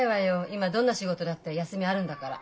今どんな仕事だって休みあるんだから。